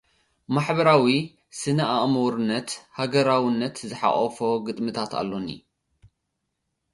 ማሕበራዊ፣ ስነ ኣእምሮኣውነትን ሃገራውነትን ዝሓቚፉ ግጥምታት ኣለዉኒ።